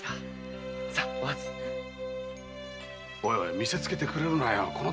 見せつけてくれるなよ。